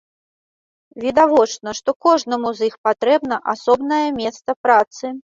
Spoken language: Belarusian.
Відавочна, што кожнаму з іх патрэбна асобнае месца працы.